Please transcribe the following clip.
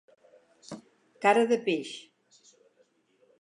Cara de peix.